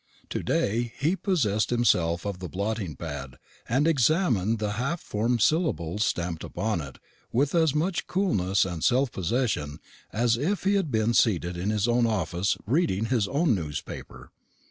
To day he possessed himself of the blotting pad, and examined the half formed syllables stamped upon it with as much coolness and self possession as if he had been seated in his own office reading his own newspaper.